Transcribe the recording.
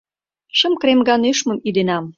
Шым кремга нӧшмым ӱденам